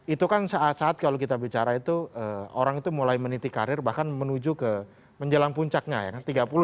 itu kan saat saat kalau kita bicara itu orang itu mulai meniti karir bahkan menuju ke menjelang puncaknya ya kan